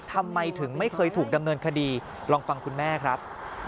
ทำไมถึงไม่เคยถูกดำเนินคดีลองฟังคุณแม่ครับ